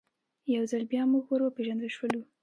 یو ځل بیا موږ ور وپېژندل سولو.